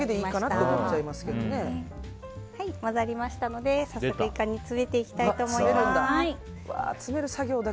混ざりましたので早速イカに詰めていきたいと思います。